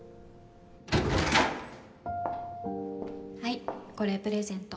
はいこれプレゼント